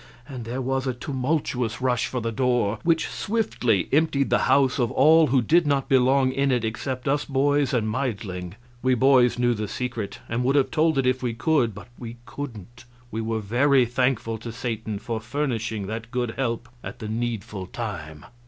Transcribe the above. and there was a tumultuous rush for the door which swiftly emptied the house of all who did not belong in it except us boys and Meidling. We boys knew the secret, and would have told it if we could, but we couldn't. We were very thankful to Satan for furnishing that good help at the needful time.